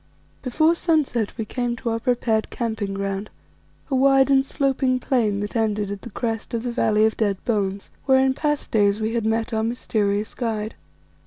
Before sunset we came to our prepared camping ground, a wide and sloping plain that ended at the crest of the Valley of Dead Bones, where in past days we had met our mysterious guide.